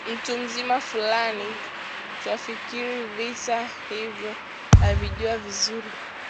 mtu mzima fulani twafikiri vita hivyo avijua vizuri